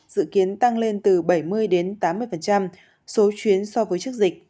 dự kiến tăng lên từ bảy mươi đến tám mươi số chuyến so với trước dịch